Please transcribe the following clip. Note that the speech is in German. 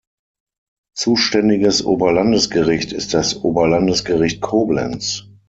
Zuständiges Oberlandesgericht ist das Oberlandesgericht Koblenz.